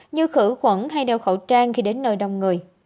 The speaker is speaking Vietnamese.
như khử khuẩn hay đeo khẩu trang khi đến nơi đông người